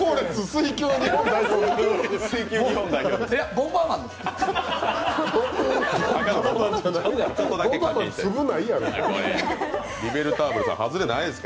ボンバーマンです。